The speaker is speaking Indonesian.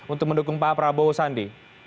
untuk mendukung pak prabowo sandi